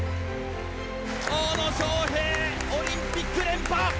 大野将平、オリンピック連覇！